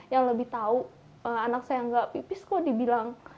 yang lebih tahu anak saya gak pipis kok dibilang